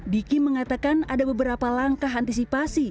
diki mengatakan ada beberapa langkah antisipasi